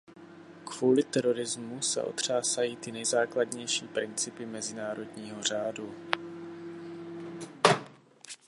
Kvůli terorismu se otřásají ty nejzákladnější principy mezinárodního řádu.